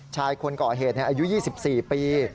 ชายคนก่อเหตุอายุ๒๔ปี